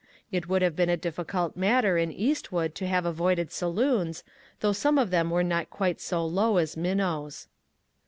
It would have been a difficult matter in Eastwood to have avoided saloons, though some of them were not quite so low as Minnow's.